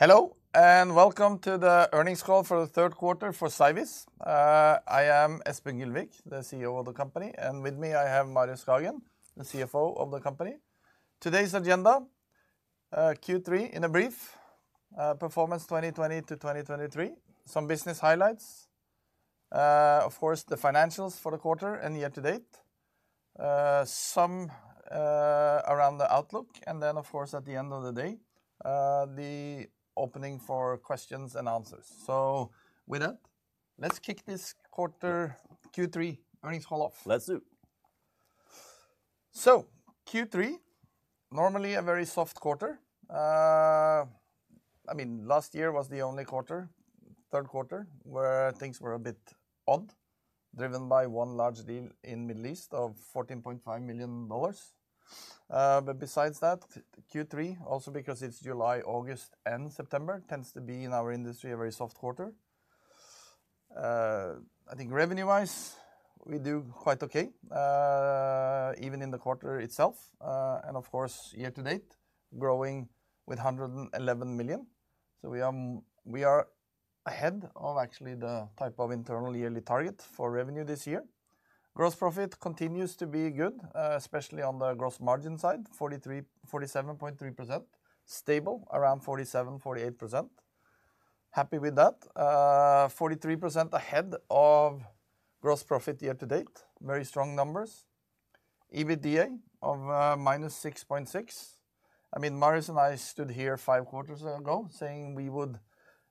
Hello, and welcome to the earnings call for the third quarter for Cyviz. I am Espen Gylvik, the CEO of the company, and with me, I have Marius Skagen, the CFO of the company. Today's agenda, Q3 in brief, performance 2020 to 2023. Some business highlights. Of course, the financials for the quarter and year to date. Some around the outlook, and then, of course, at the end of the day, the opening for questions and answers. So with that, let's kick this quarter, Q3 earnings call off. Let's do! Q3, normally a very soft quarter. I mean, last year was the only quarter, third quarter, where things were a bit odd, driven by one large deal in Middle East of $14.5 million. But besides that, Q3, also because it's July, August, and September, tends to be, in our industry, a very soft quarter. I think revenue-wise, we do quite okay, even in the quarter itself, and of course, year to date, growing with 111 million. So we, we are ahead of actually the type of internal yearly target for revenue this year. Gross profit continues to be good, especially on the gross margin side, 47.3%. Stable, around 47-48%. Happy with that. 43% ahead of gross profit year to date, very strong numbers. EBITDA of minus 6.6. I mean, Marius and I stood here five quarters ago saying we would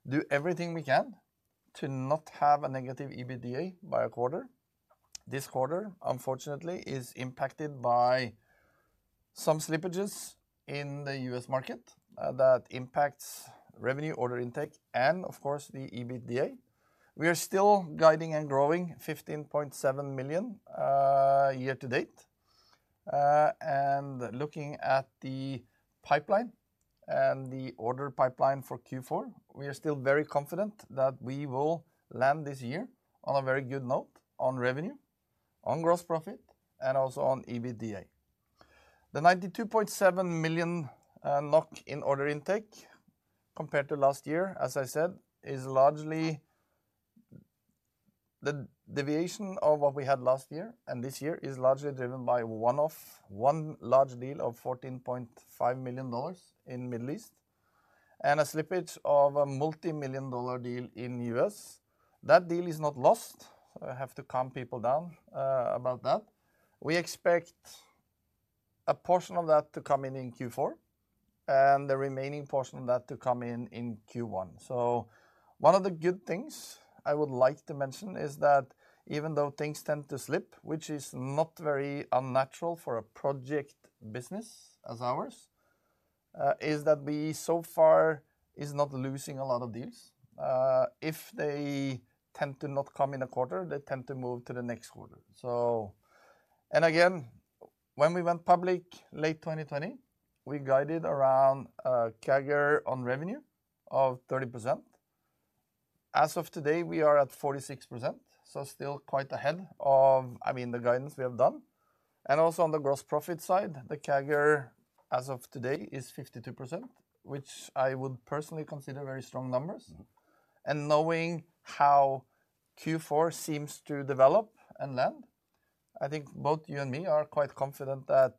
do everything we can to not have a negative EBITDA by a quarter. This quarter, unfortunately, is impacted by some slippages in the U.S. market that impacts revenue, order intake, and of course, the EBITDA. We are still guiding and growing 15.7 million year to date. And looking at the pipeline and the order pipeline for Q4, we are still very confident that we will land this year on a very good note on revenue, on gross profit, and also on EBITDA. The 92.7 million NOK in order intake compared to last year, as I said, is largely... The deviation of what we had last year and this year is largely driven by one-off, one large deal of $14.5 million in Middle East and a slippage of a multimillion-dollar deal in US. That deal is not lost. I have to calm people down, about that. We expect a portion of that to come in in Q4, and the remaining portion of that to come in in Q1. So one of the good things I would like to mention is that even though things tend to slip, which is not very unnatural for a project business as ours, is that we so far is not losing a lot of deals. If they tend to not come in a quarter, they tend to move to the next quarter. So... Again, when we went public late 2020, we guided around CAGR on revenue of 30%. As of today, we are at 46%, so still quite ahead of, I mean, the guidance we have done. And also on the gross profit side, the CAGR, as of today, is 52%, which I would personally consider very strong numbers. Mm-hmm. Knowing how Q4 seems to develop and land, I think both you and me are quite confident that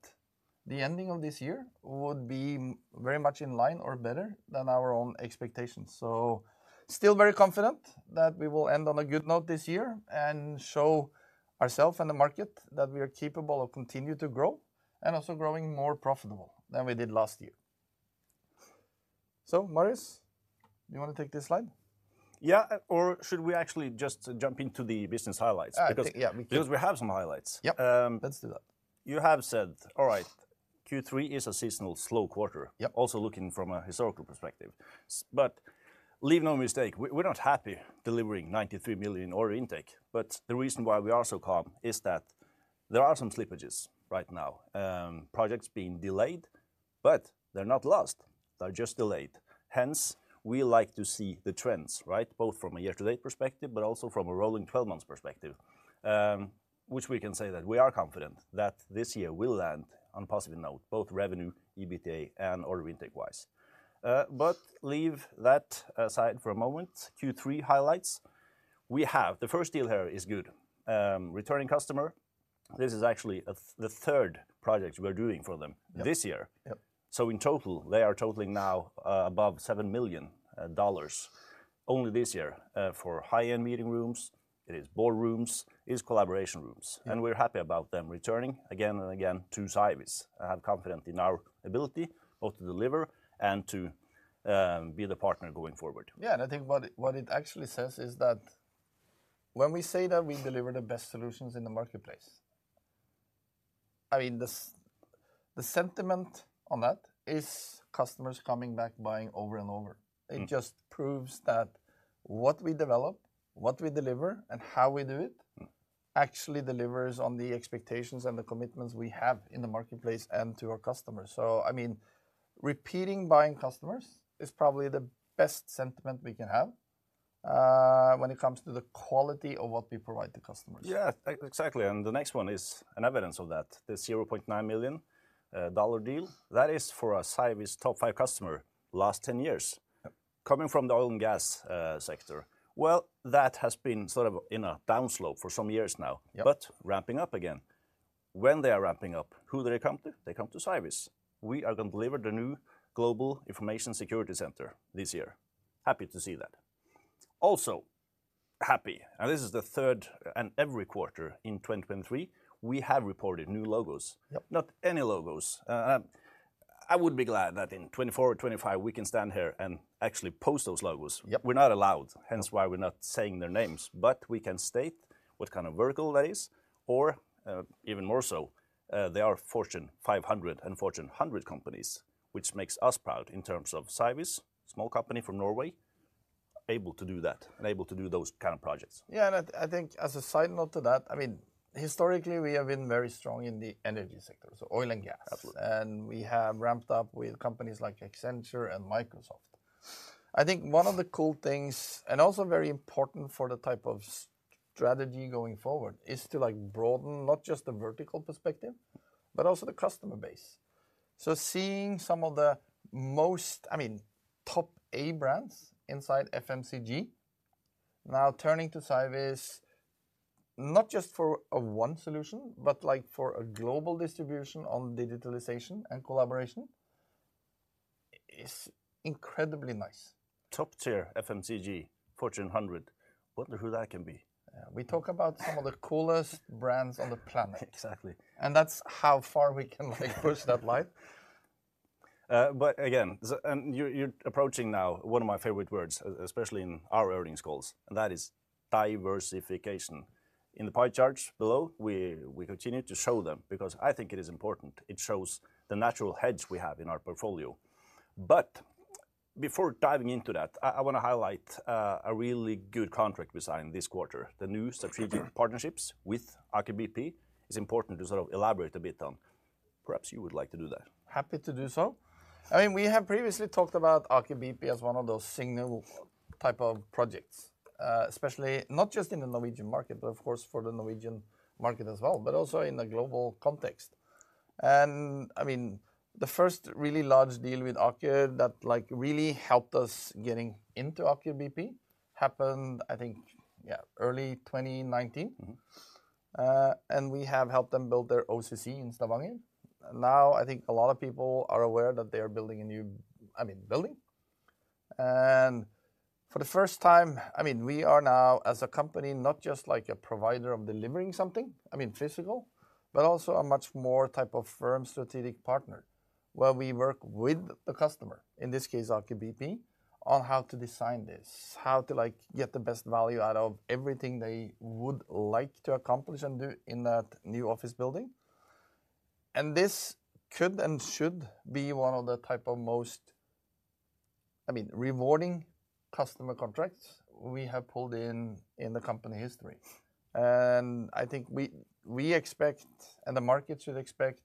the ending of this year would be very much in line or better than our own expectations. So still very confident that we will end on a good note this year and show ourself and the market that we are capable of continue to grow and also growing more profitable than we did last year. So, Marius, you want to take this slide? Yeah, or should we actually just jump into the business highlights? Yeah, we can. Because we have some highlights. Yep. Um- Let's do that. You have said, all right, Q3 is a seasonal slow quarter. Yep. Also, looking from a historical perspective. But leave no mistake, we're not happy delivering 93 million order intake, but the reason why we are so calm is that there are some slippages right now. Projects being delayed, but they're not lost. They're just delayed. Hence, we like to see the trends, right? Both from a year to date perspective, but also from a rolling twelve months perspective, which we can say that we are confident that this year will land on a positive note, both revenue, EBITDA, and order intake-wise. But leave that aside for a moment. Q3 highlights, we have... The first deal here is good. Returning customer, this is actually the third project we're doing for them- Yep... this year. Yep. So in total, they are totaling now above $7 million only this year for high-end meeting rooms. It is boardrooms, it is collaboration rooms. Yep. We're happy about them returning again and again to Cyviz and have confidence in our ability both to deliver and to be the partner going forward. Yeah, and I think what it actually says is that when we say that we deliver the best solutions in the marketplace, I mean, the sentiment on that is customers coming back, buying over and over. Mm. It just proves that what we develop, what we deliver, and how we do it- Mm... actually delivers on the expectations and the commitments we have in the marketplace and to our customers. So, I mean, repeating buying customers is probably the best sentiment we can have.... when it comes to the quality of what we provide the customers. Yeah, exactly, and the next one is an evidence of that. The $0.9 million deal that is for a Cyviz top five customer last 10 years- Yep... coming from the oil and gas sector. Well, that has been sort of in a downslope for some years now- Yep... but ramping up again. When they are ramping up, who do they come to? They come to Cyviz. We are going to deliver the new global information security center this year. Happy to see that. Also, happy, and this is the third, and every quarter in 2023, we have reported new logos. Yep. Not any logos. I would be glad that in 2024 or 2025, we can stand here and actually post those logos. Yep. We're not allowed, hence why we're not saying their names, but we can state what kind of vertical that is, or, even more so, they are Fortune 500 and Fortune 100 companies, which makes us proud in terms of Cyviz, small company from Norway, able to do that and able to do those kind of projects. Yeah, and I, I think, as a side note to that, I mean, historically, we have been very strong in the energy sector, so oil and gas. Absolutely. And we have ramped up with companies like Accenture and Microsoft. I think one of the cool things, and also very important for the type of strategy going forward, is to, like, broaden not just the vertical perspective, but also the customer base. So seeing some of the most, I mean, top A brands inside FMCG now turning to Cyviz, not just for one solution, but, like, for a global distribution on digitalization and collaboration, is incredibly nice. Top-tier FMCG, Fortune 100. Wonder who that can be? Yeah. We talk about some of the coolest brands on the planet. Exactly. That's how far we can, like, push that line. But again, you're approaching now one of my favorite words, especially in our earnings calls, and that is diversification. In the pie charts below, we continue to show them because I think it is important. It shows the natural hedge we have in our portfolio. But before diving into that, I wanna highlight a really good contract we signed this quarter, the new strategic- Mm-hmm... partnerships with Aker BP. It's important to sort of elaborate a bit on. Perhaps you would like to do that. Happy to do so. I mean, we have previously talked about Aker BP as one of those signal type of projects, especially not just in the Norwegian market, but of course, for the Norwegian market as well, but also in the global context. I mean, the first really large deal with Aker that, like, really helped us getting into Aker BP happened, I think, yeah, early 2019. Mm-hmm. We have helped them build their OCC in Stavanger. Now I think a lot of people are aware that they are building a new, I mean, building. For the first time, I mean, we are now, as a company, not just like a provider of delivering something, I mean, physical, but also a much more type of firm strategic partner, where we work with the customer, in this case, Aker BP, on how to design this, how to, like, get the best value out of everything they would like to accomplish and do in that new office building. This could and should be one of the type of most, I mean, rewarding customer contracts we have pulled in, in the company history. I think we expect, and the market should expect,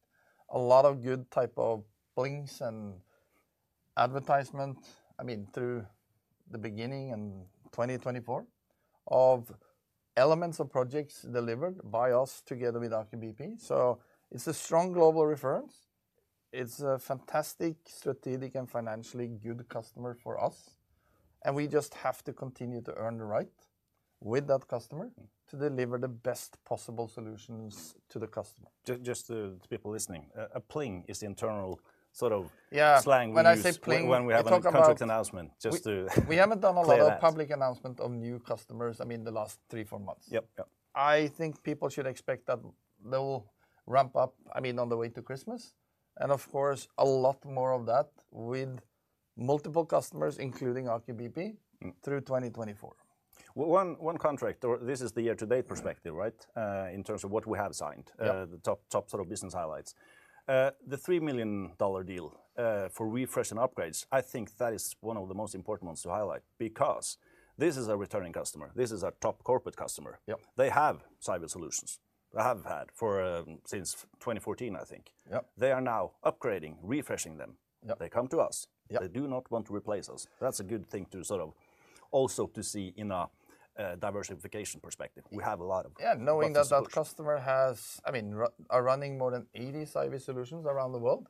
a lot of good type of things and advertisement, I mean, through the beginning in 2024, of elements of projects delivered by us together with Aker BP. It's a strong global reference. It's a fantastic strategic and financially good customer for us, and we just have to continue to earn the right with that customer. Mm... to deliver the best possible solutions to the customer. Just to the people listening, a pling is the internal sort of- Yeah... slang we use- When I say P&L, I talk about-... when we have a contract announcement, just to clarify. We haven't done a lot of public announcement of new customers, I mean, the last 3-4 months. Yep, yep. I think people should expect that they will ramp up, I mean, on the way to Christmas, and of course, a lot more of that with multiple customers, including Aker BP. Mm... through 2024. Well, one, one contract, or this is the year-to-date perspective, right? In terms of what we have signed. Yeah. The top, top sort of business highlights. The $3 million deal for refresh and upgrades, I think that is one of the most important ones to highlight, because this is a returning customer. This is a top corporate customer. Yep. They have Cyviz solutions. They have had for, since 2014, I think. Yep. They are now upgrading, refreshing them. Yep. They come to us. Yep. They do not want to replace us. That's a good thing to sort of also to see in a diversification perspective. Yeah. We have a lot of customers- Yeah, knowing that that customer has... I mean, are running more than 80 Cyviz solutions around the world.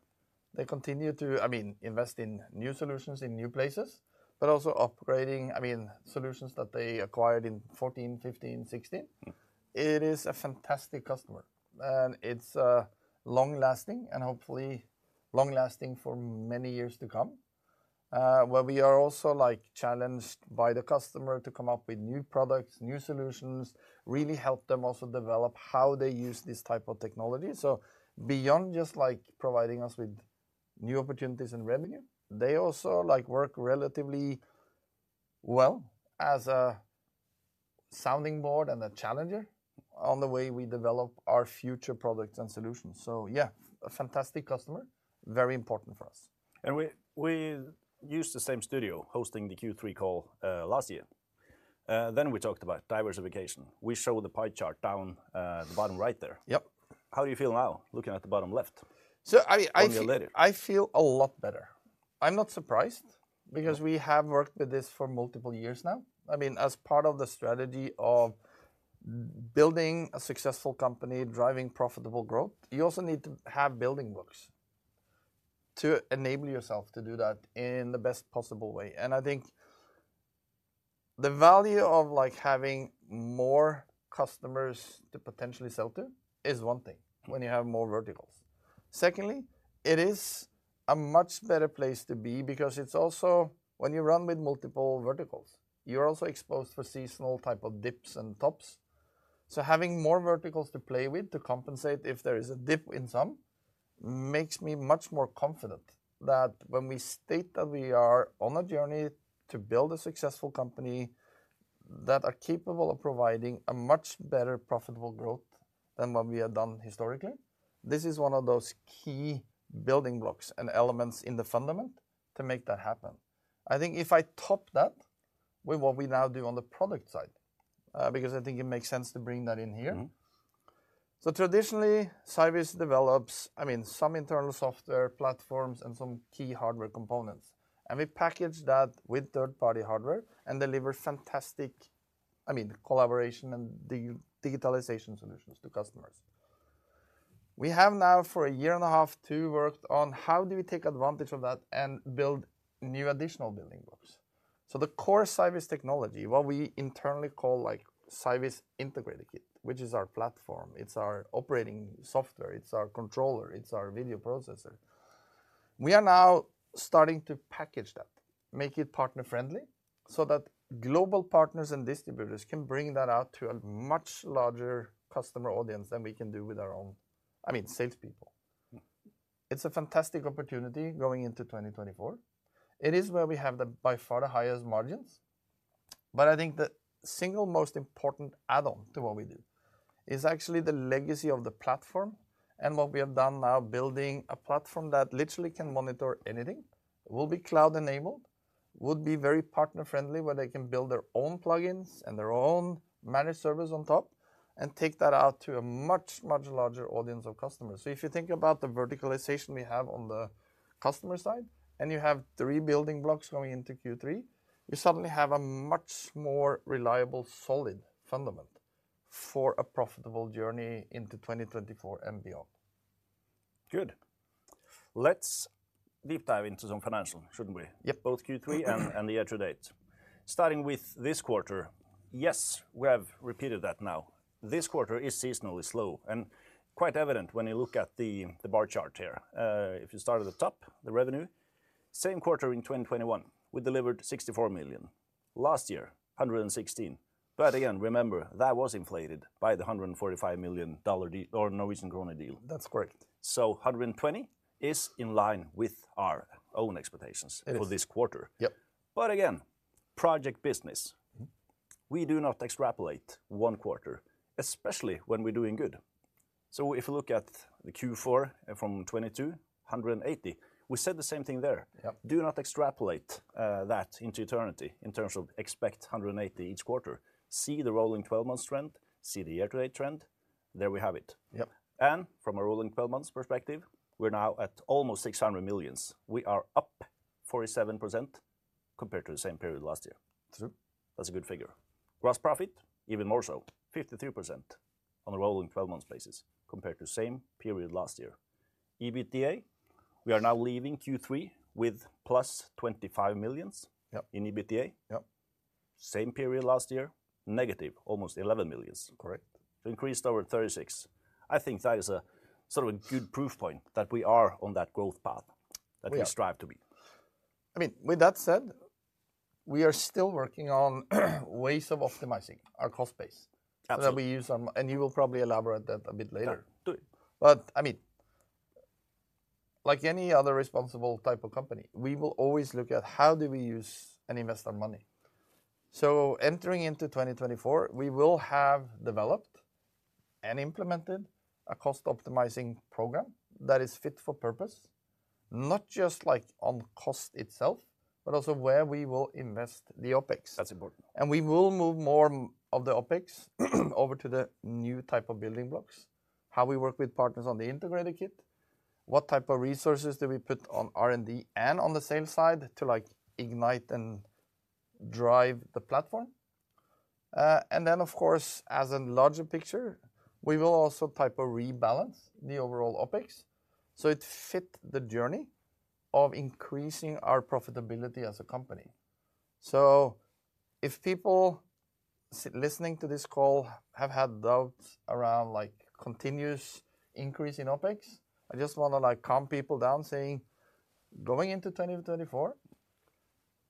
They continue to, I mean, invest in new solutions in new places, but also upgrading, I mean, solutions that they acquired in 2014, 2015, 2016. Mm. It is a fantastic customer, and it's, long-lasting, and hopefully long-lasting for many years to come. Where we are also, like, challenged by the customer to come up with new products, new solutions, really help them also develop how they use this type of technology. So beyond just, like, providing us with new opportunities and revenue, they also, like, work relatively well as a sounding board and a challenger- Mm... on the way we develop our future products and solutions. So yeah, a fantastic customer, very important for us. We used the same studio hosting the Q3 call last year. Then we talked about diversification. We show the pie chart down the bottom right there. Yep.... how do you feel now, looking at the bottom left? I feel- One year later. I feel a lot better. I'm not surprised, because we have worked with this for multiple years now. I mean, as part of the strategy of building a successful company, driving profitable growth, you also need to have building blocks to enable yourself to do that in the best possible way. And I think the value of, like, having more customers to potentially sell to is one thing, when you have more verticals. Secondly, it is a much better place to be because it's also... When you run with multiple verticals, you're also exposed for seasonal type of dips and tops. So having more verticals to play with to compensate if there is a dip in some, makes me much more confident that when we state that we are on a journey to build a successful company that are capable of providing a much better profitable growth than what we have done historically, this is one of those key building blocks and elements in the foundation to make that happen. I think if I top that with what we now do on the product side, because I think it makes sense to bring that in here. Mm-hmm. So traditionally, Cyviz develops, I mean, some internal software platforms and some key hardware components, and we package that with third-party hardware and deliver fantastic, I mean, collaboration and digitalization solutions to customers. We have now, for a year and a half, two, worked on how do we take advantage of that and build new additional building blocks? So the core Cyviz technology, what we internally call, like, Cyviz Integrated Kit, which is our platform, it's our operating software, it's our controller, it's our video processor, we are now starting to package that, make it partner-friendly, so that global partners and distributors can bring that out to a much larger customer audience than we can do with our own, I mean, salespeople. Mm. It's a fantastic opportunity going into 2024. It is where we have the, by far, the highest margins. But I think the single most important add-on to what we do is actually the legacy of the platform and what we have done now, building a platform that literally can monitor anything, will be cloud-enabled, would be very partner-friendly, where they can build their own plugins and their own managed servers on top, and take that out to a much, much larger audience of customers. So if you think about the verticalization we have on the customer side, and you have three building blocks going into Q3, you suddenly have a much more reliable, solid fundament for a profitable journey into 2024 and beyond. Good. Let's deep dive into some financial, shouldn't we? Yep. Both Q3 and the year to date. Starting with this quarter, yes, we have repeated that now. This quarter is seasonally slow, and quite evident when you look at the bar chart here. If you start at the top, the revenue, same quarter in 2021, we delivered 64 million. Last year, 116 million. But again, remember, that was inflated by the $145 million deal or Norwegian Kroner deal. That's correct. 120 is in line with our own expectations. It is... for this quarter. Yep. But again, project business- Mm-hmm... we do not extrapolate one quarter, especially when we're doing good. So if you look at the Q4 from 2022, 180, we said the same thing there. Yep. Do not extrapolate that into eternity in terms of expect 180 each quarter. See the rolling 12-month trend, see the year-to-date trend, there we have it. Yep. From a rolling 12 months perspective, we're now at almost 600 million. We are up 47% compared to the same period last year. True. That's a good figure. Gross profit, even more so, 53% on a rolling 12 months basis compared to same period last year. EBITDA, we are now leaving Q3 with +25 millions Yep... in EBITDA. Yep. Same period last year, negative, almost 11 million. Correct. Increased over 36. I think that is a sort of a good proof point that we are on that growth path- We are... that we strive to be. I mean, with that said, we are still working on ways of optimizing our cost base- Absolutely... that we use, and you will probably elaborate that a bit later. Yeah, do it. I mean, like any other responsible type of company, we will always look at how do we use and invest our money. Entering into 2024, we will have developed and implemented a cost-optimizing program that is fit for purpose, not just like on cost itself, but also where we will invest the OpEx. That's important. We will move more of the OpEx over to the new type of building blocks, how we work with partners on the Integrated Kit, what type of resources do we put on R&D, and on the sales side, to, like, ignite and drive the platform. Then, of course, as a larger picture, we will also try to rebalance the overall OpEx, so it fit the journey of increasing our profitability as a company. So if people listening to this call have had doubts around, like, continuous increase in OpEx, I just wanna, like, calm people down, saying: Going into 2024,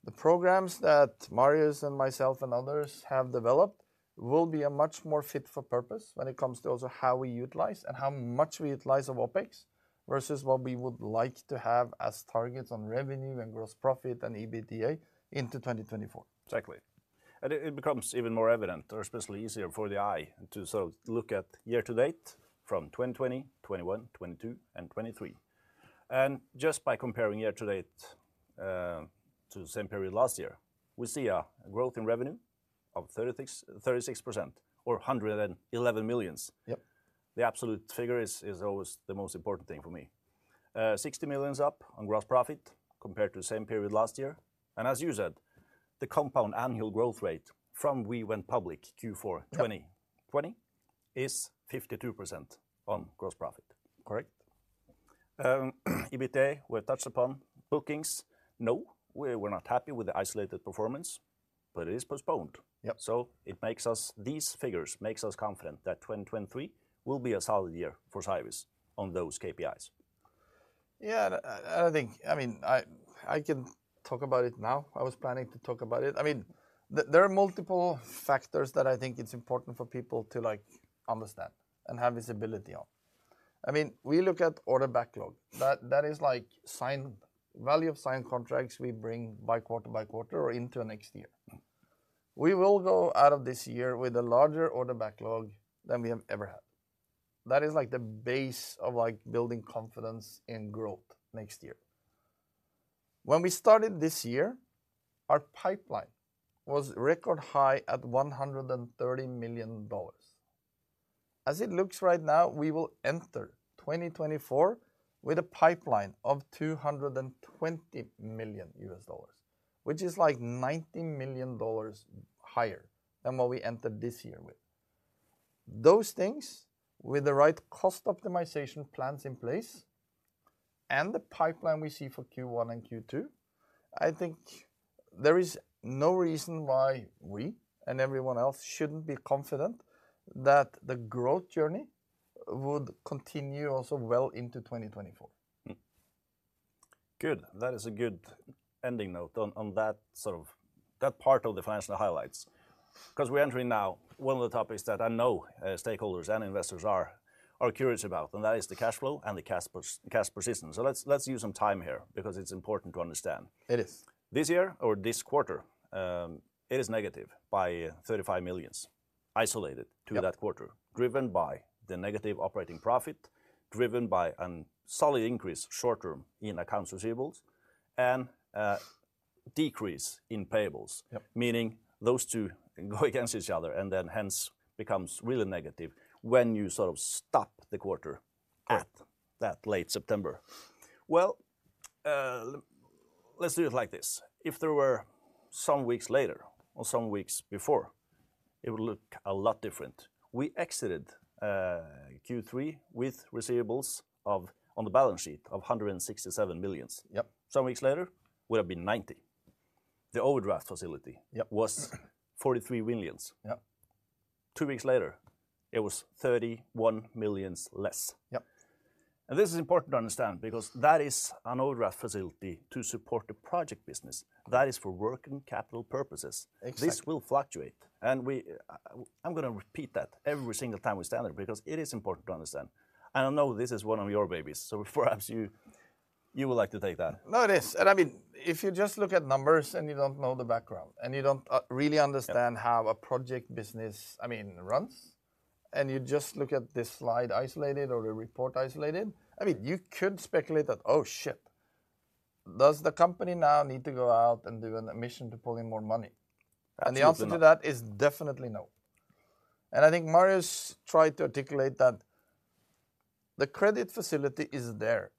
the programs that Marius and myself and others have developed will be a much more fit for purpose when it comes to also how we utilize and how much we utilize of OpEx, versus what we would like to have as targets on revenue and gross profit and EBITDA into 2024. Exactly. And it becomes even more evident, or especially easier for the eye, to so look at year to date from 2020, 2021, 2022, and 2023... and just by comparing year-to-date to the same period last year, we see a growth in revenue of 36, 36%, or 111 million. Yep. The absolute figure is always the most important thing for me. 60 million up on gross profit compared to the same period last year, and as you said, the compound annual growth rate from we went public, Q4 2020- Yep is 52% on gross profit. Correct? EBITDA, we've touched upon. Bookings, no, we're not happy with the isolated performance, but it is postponed. Yep. So these figures makes us confident that 2023 will be a solid year for Cyviz on those KPIs. Yeah, and I think, I mean, I can talk about it now. I was planning to talk about it. I mean, there are multiple factors that I think it's important for people to, like, understand and have visibility on. I mean, we look at Order Backlog. That is like signed value of signed contracts we bring by quarter by quarter or into next year. Mm. We will go out of this year with a larger order backlog than we have ever had. That is, like, the base of, like, building confidence in growth next year. When we started this year, our pipeline was record high at $130 million. As it looks right now, we will enter 2024 with a pipeline of $220 million, which is, like, $90 million higher than what we entered this year with. Those things, with the right cost optimization plans in place, and the pipeline we see for Q1 and Q2, I think there is no reason why we, and everyone else, shouldn't be confident that the growth journey would continue also well into 2024. Good. That is a good ending note on that sort of that part of the financial highlights. 'Cause we're entering now one of the topics that I know stakeholders and investors are curious about, and that is the cash flow and the cash persistence. So let's use some time here because it's important to understand. It is. This year or this quarter, it is negative by 35 million, isolated- Yep... to that quarter, driven by the negative operating profit, driven by a solid increase short-term in accounts receivable, and decrease in payables. Yep. Meaning those two go against each other, and then hence becomes really negative when you sort of stop the quarter- Yeah... at that late September. Well, let's do it like this. If there were some weeks later or some weeks before, it would look a lot different. We exited Q3 with receivables of, on the balance sheet, of 167 million. Yep. Some weeks later, would have been 90. The overdraft facility- Yep... was 43 million. Yep. Two weeks later, it was 31 million less. Yep. This is important to understand, because that is an overdraft facility to support the project business. Correct. That is for working capital purposes. Exactly. This will fluctuate, and we... I'm gonna repeat that every single time we stand here, because it is important to understand, and I know this is one of your babies, so perhaps you, you would like to take that. No, it is, and, I mean, if you just look at numbers and you don't know the background, and you don't really understand- Yep... how a project business, I mean, runs, and you just look at this slide isolated or the report isolated, I mean, you could speculate that, "Oh, shit! Does the company now need to go out and do an emission to pull in more money? Absolutely not. The answer to that is definitely no. I think Marius tried to articulate that the credit facility is there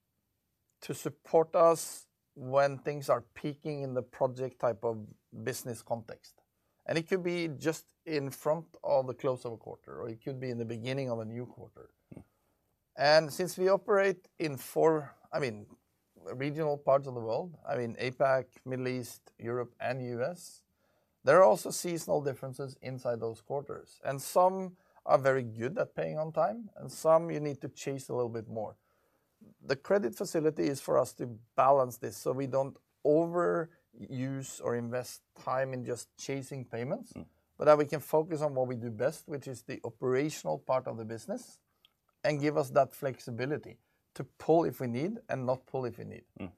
to support us when things are peaking in the project type of business context, and it could be just in front of the close of a quarter, or it could be in the beginning of a new quarter. Mm. Since we operate in four, I mean, regional parts of the world, I mean, APAC, Middle East, Europe, and U.S., there are also seasonal differences inside those quarters, and some are very good at paying on time, and some you need to chase a little bit more. The credit facility is for us to balance this so we don't overuse or invest time in just chasing payments. Mm... but that we can focus on what we do best, which is the operational part of the business, and give us that flexibility to pull if we need and not pull if we need. Mm.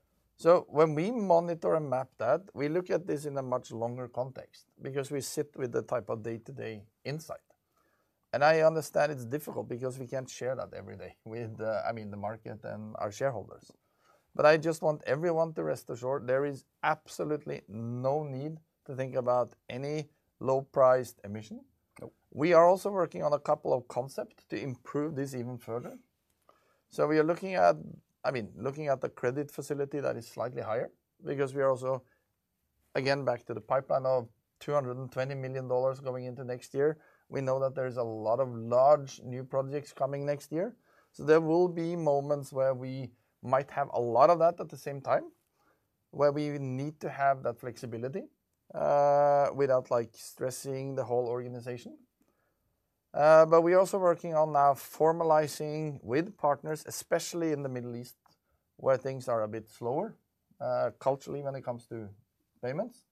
When we monitor and map that, we look at this in a much longer context because we sit with the type of day-to-day insight. I understand it's difficult because we can't share that every day with, I mean, the market and our shareholders, but I just want everyone to rest assured there is absolutely no need to think about any low-priced emission. Nope. We are also working on a couple of concepts to improve this even further. So we are looking at, I mean, looking at the credit facility that is slightly higher, because we are also, again, back to the pipeline of $220 million going into next year. We know that there is a lot of large new projects coming next year, so there will be moments where we might have a lot of that at the same time, where we need to have that flexibility, without, like, stressing the whole organization. But we're also working on now formalizing with partners, especially in the Middle East, where things are a bit slower, culturally, when it comes to payments,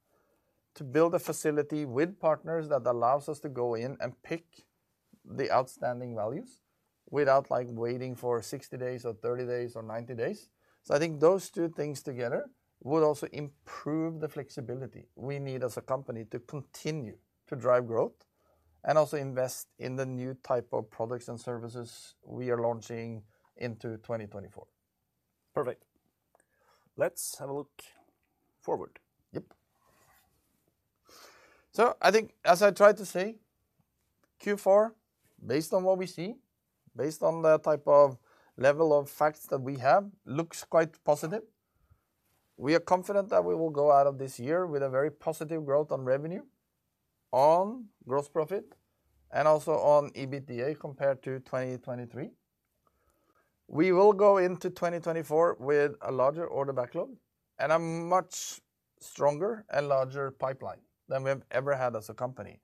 to build a facility with partners that allows us to go in and pick the outstanding values without, like, waiting for 60 days or 30 days or 90 days. So I think those two things together will also improve the flexibility we need as a company to continue to drive growth and also invest in the new type of products and services we are launching into 2024. Perfect. Let's have a look forward. Yep. So I think, as I tried to say, Q4, based on what we see, based on the type of level of facts that we have, looks quite positive. We are confident that we will go out of this year with a very positive growth on revenue, on gross profit, and also on EBITDA compared to 2023. We will go into 2024 with a larger order backlog and a much stronger and larger pipeline than we have ever had as a company.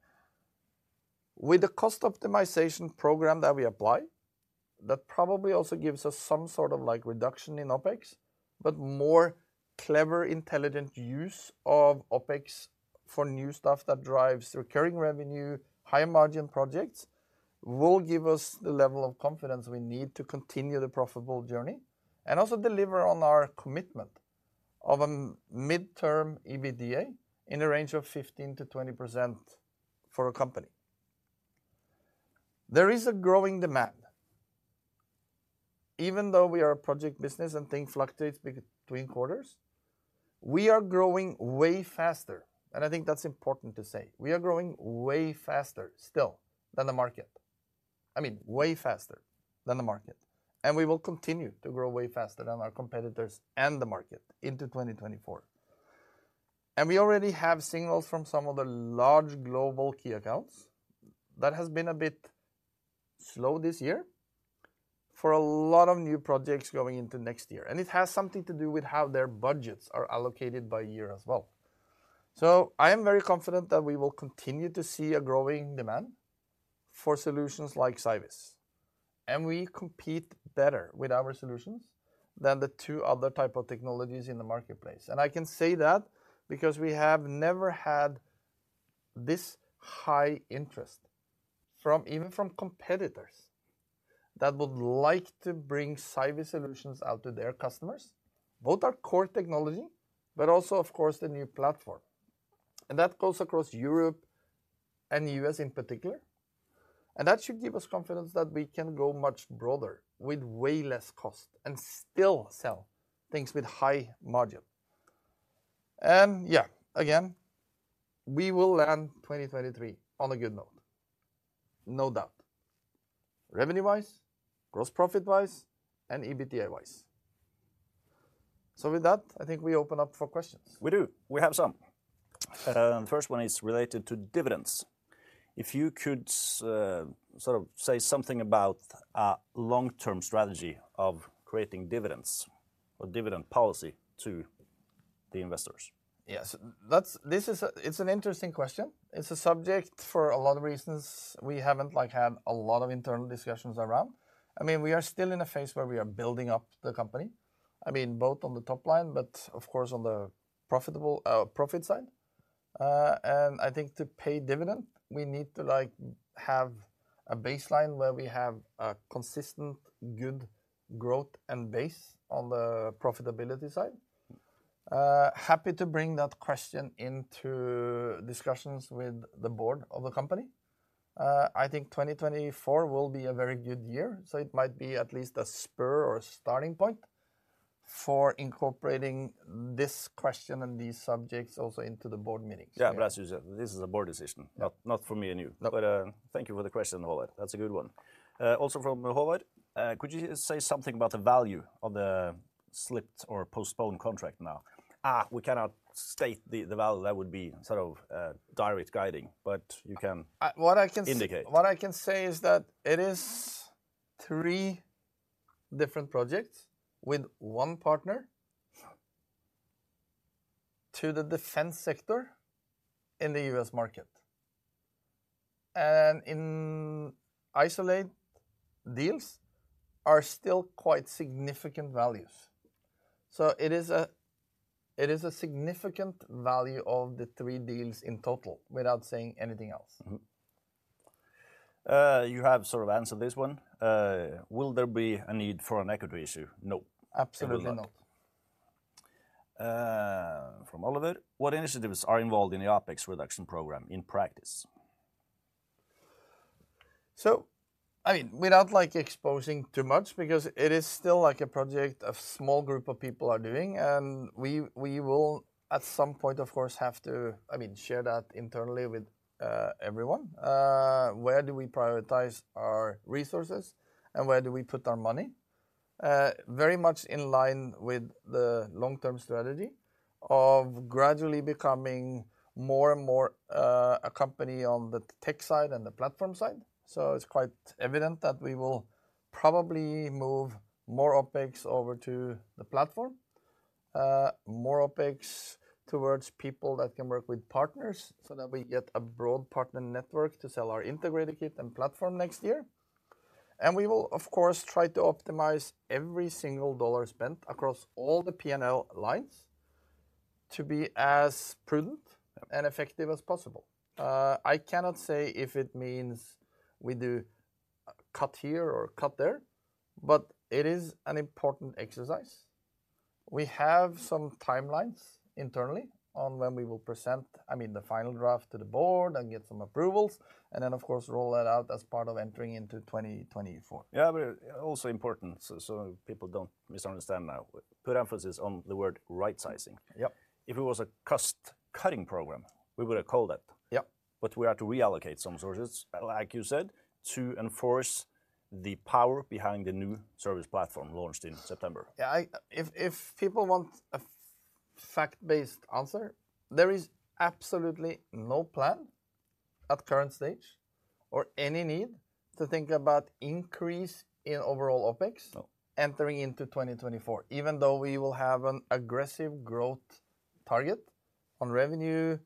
With the cost optimization program that we apply, that probably also gives us some sort of, like, reduction in OpEx, but more clever, intelligent use of OpEx for new stuff that drives recurring revenue, high-margin projects, will give us the level of confidence we need to continue the profitable journey and also deliver on our commitment of a mid-term EBITDA in the range of 15%-20% for a company. There is a growing demand. Even though we are a project business and things fluctuate between quarters, we are growing way faster, and I think that's important to say, we are growing way faster still than the market. I mean, way faster than the market, and we will continue to grow way faster than our competitors and the market into 2024. We already have signals from some of the large global key accounts that has been a bit slow this year for a lot of new projects going into next year, and it has something to do with how their budgets are allocated by year as well. So I am very confident that we will continue to see a growing demand for solutions like Cyviz, and we compete better with our solutions than the two other type of technologies in the marketplace. And I can say that because we have never had this high interest from even from competitors, that would like to bring Cyviz solutions out to their customers. Both our core technology, but also, of course, the new platform, and that goes across Europe and US in particular. That should give us confidence that we can go much broader with way less cost and still sell things with high margin. Yeah, again, we will land 2023 on a good note, no doubt. Revenue-wise, gross profit-wise, and EBITDA-wise. With that, I think we open up for questions. We do. We have some. The first one is related to dividends. If you could, sort of say something about a long-term strategy of creating dividends or dividend policy to the investors. Yes, it's an interesting question. It's a subject for a lot of reasons we haven't, like, had a lot of internal discussions around. I mean, we are still in a phase where we are building up the company. I mean, both on the top line, but of course, on the profitable, profit side. And I think to pay dividend, we need to, like, have a baseline where we have a consistent good growth and base on the profitability side. Happy to bring that question into discussions with the board of the company. I think 2024 will be a very good year, so it might be at least a spur or a starting point for incorporating this question and these subjects also into the board meetings. Yeah, but as you said, this is a board decision- Yep. Not for me and you. No. Thank you for the question, Oliver. That's a good one. Also from Oliver: Could you say something about the value of the slipped or postponed contract now? We cannot state the value. That would be sort of direct guiding, but you can- What I can say- - indicate. What I can say is that it is three different projects with one partner to the defense sector in the US market. And in isolation, deals are still quite significant values. So it is, it is a significant value of the three deals in total, without saying anything else. Mm-hmm. You have sort of answered this one. Will there be a need for an equity issue? No. Absolutely not. from Oliver: What initiatives are involved in the OpEx reduction program in practice? So, I mean, without, like, exposing too much, because it is still, like, a project a small group of people are doing, and we will, at some point, of course, have to, I mean, share that internally with everyone. Where do we prioritize our resources, and where do we put our money? Very much in line with the long-term strategy of gradually becoming more and more a company on the tech side and the platform side. So it's quite evident that we will probably move more OpEx over to the platform, more OpEx towards people that can work with partners, so that we get a broad partner network to sell our Integrated Kit and platform next year. And we will, of course, try to optimize every single dollar spent across all the P&L lines to be as prudent and effective as possible. I cannot say if it means we do cut here or cut there, but it is an important exercise. We have some timelines internally on when we will present, I mean, the final draft to the board and get some approvals, and then, of course, roll that out as part of entering into 2024. Yeah, but also important, so, so people don't misunderstand now, put emphasis on the word right-sizing. Yep. If it was a cost-cutting program, we would have called it. Yep. But we are to reallocate some resources, like you said, to enforce the power behind the new service platform launched in September. Yeah, if people want a fact-based answer, there is absolutely no plan at current stage or any need to think about increase in overall OpEx. No... entering into 2024, even though we will have an aggressive growth target on revenue,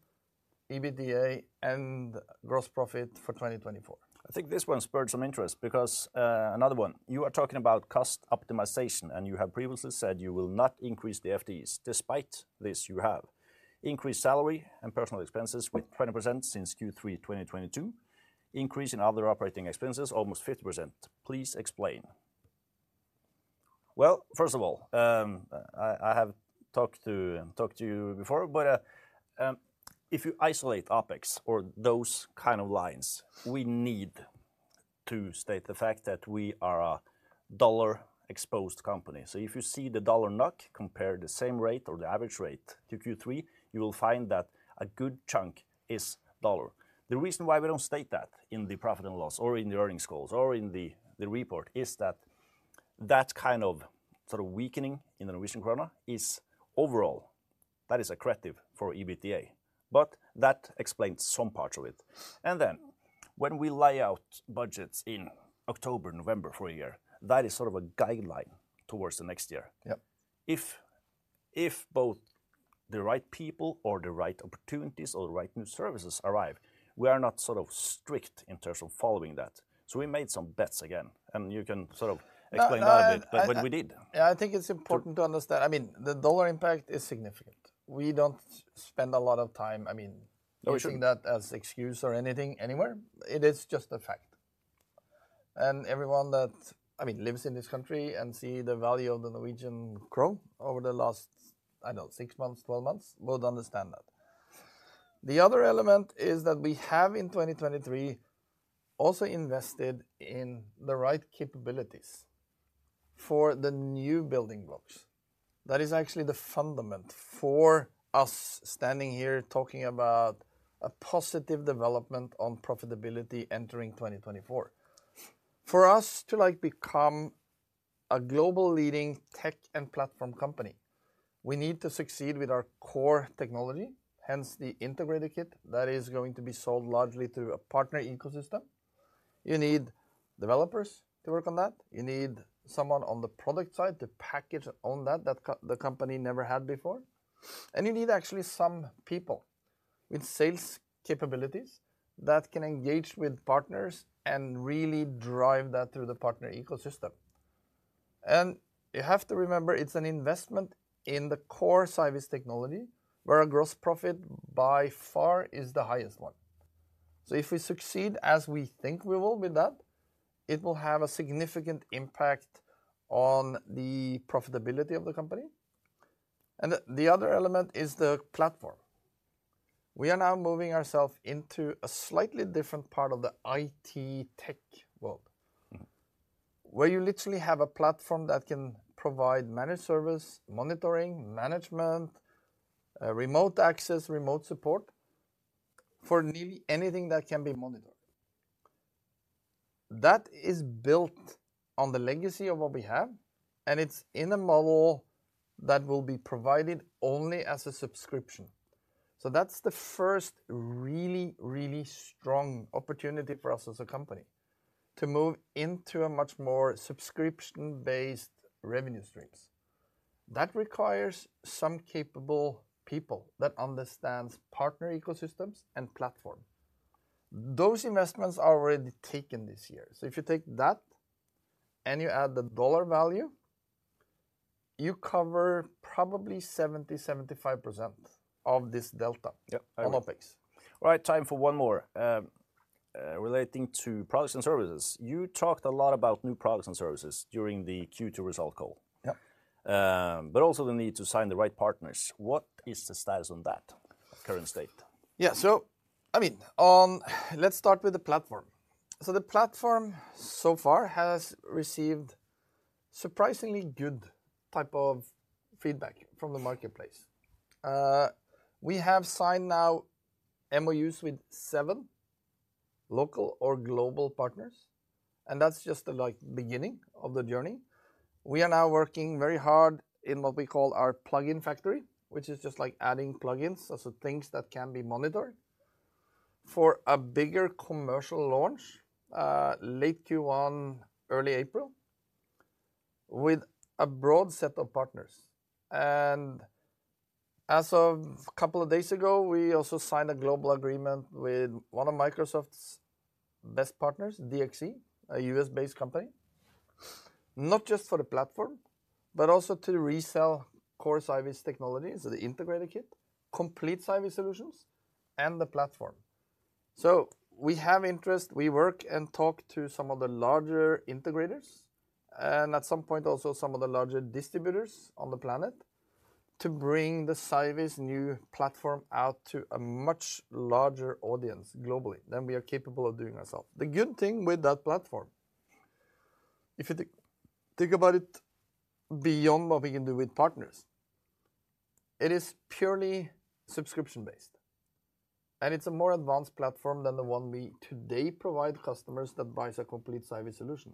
EBITDA, and gross profit for 2024. I think this one spurred some interest because, another one, you are talking about cost optimization, and you have previously said you will not increase the FTEs. Despite this, you have increased salary and personal expenses with 20% since Q3 2022, increase in other operating expenses, almost 50%. Please explain. Well, first of all, I have talked to you before, but, if you isolate OpEx or those kind of lines, we need to state the fact that we are a dollar-exposed company. So if you see the dollar NOK, compare the same rate or the average rate to Q3, you will find that a good chunk is dollar. The reason why we don't state that in the profit and loss, or in the earnings calls, or in the report, is that that kind of sort of weakening in the Norwegian Kroner is overall accretive for EBITDA, but that explains some parts of it. And then when we lay out budgets in October, November for a year, that is sort of a guideline towards the next year. Yep. If both the right people or the right opportunities or the right new services arrive, we are not sort of strict in terms of following that. So we made some bets again, and you can sort of explain that a bit, but what we did. Yeah, I think it's important to understand... I mean, the dollar impact is significant. We don't spend a lot of time, I mean- No, we shouldn't.... using that as excuse or anything anywhere. It is just a fact. And everyone that, I mean, lives in this country and see the value of the Norwegian krone over the last, I don't know, 6 months, 12 months, will understand that. The other element is that we have, in 2023, also invested in the right capabilities for the new building blocks. That is actually the fundament for us standing here talking about a positive development on profitability entering 2024. For us to, like, become a global leading tech and platform company, we need to succeed with our core technology, hence the Integrated Kit that is going to be sold largely through a partner ecosystem. You need developers to work on that. You need someone on the product side to package on that, that the company never had before. You need actually some people with sales capabilities that can engage with partners and really drive that through the partner ecosystem. You have to remember, it's an investment in the core Cyviz technology, where our gross profit, by far, is the highest one. If we succeed as we think we will with that, it will have a significant impact on the profitability of the company. The other element is the platform. We are now moving ourselves into a slightly different part of the IT tech world- Mm-hmm... where you literally have a platform that can provide managed service, monitoring, management, remote access, remote support for nearly anything that can be monitored. That is built on the legacy of what we have, and it's in a model that will be provided only as a subscription. So that's the first really, really strong opportunity for us as a company to move into a much more subscription-based revenue streams. That requires some capable people that understands partner ecosystems and platform. Those investments are already taken this year. So if you take that and you add the dollar value, you cover probably 70%-75% of this delta- Yep - on OpEx. All right, time for one more, relating to products and services. You talked a lot about new products and services during the Q2 result call. Yep. But also the need to sign the right partners. What is the status on that at current state? Yeah. So I mean, let's start with the platform. So the platform so far has received surprisingly good type of feedback from the marketplace. We have signed now MOUs with seven local or global partners, and that's just the, like, beginning of the journey. We are now working very hard in what we call our plugin factory, which is just like adding plugins, or so things that can be monitored, for a bigger commercial launch, late Q1, early April, with a broad set of partners. And as of a couple of days ago, we also signed a global agreement with one of Microsoft's best partners, DXC, a US-based company. Not just for the platform, but also to resell core Cyviz technologies, so the Integrated Kit, complete Cyviz solutions, and the platform. So we have interest. We work and talk to some of the larger integrators, and at some point, also some of the larger distributors on the planet, to bring the Cyviz new platform out to a much larger audience globally than we are capable of doing ourselves. The good thing with that platform, if you think about it beyond what we can do with partners, it is purely subscription-based, and it's a more advanced platform than the one we today provide customers that buys a complete Cyviz solution.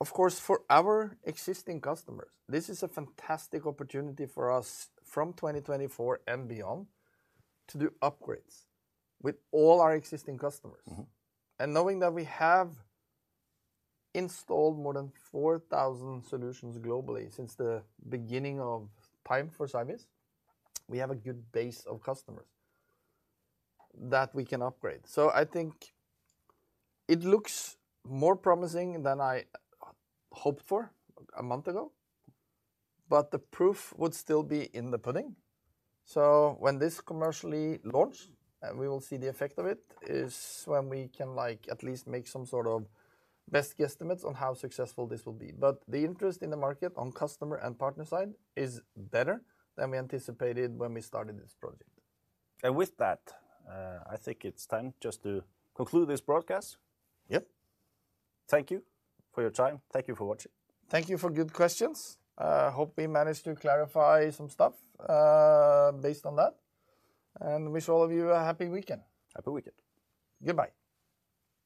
Of course, for our existing customers, this is a fantastic opportunity for us from 2024 and beyond to do upgrades with all our existing customers. Mm-hmm. Knowing that we have installed more than 4,000 solutions globally since the beginning of time for Cyviz, we have a good base of customers that we can upgrade. So I think it looks more promising than I hoped for a month ago, but the proof would still be in the pudding. So when this commercially launch, and we will see the effect of it, is when we can, like, at least make some sort of best guesstimates on how successful this will be. But the interest in the market on customer and partner side is better than we anticipated when we started this project. With that, I think it's time just to conclude this broadcast. Yep. Thank you for your time. Thank you for watching. Thank you for good questions. Hope we managed to clarify some stuff, based on that, and wish all of you a happy weekend. Happy weekend. Goodbye.